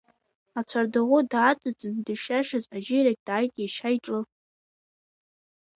Ацәардаӷәы дааҵыҵын, дышиашаз ажьираҿ дааит иашьа иҿы.